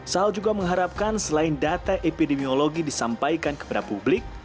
sal juga mengharapkan selain data epidemiologi disampaikan kepada publik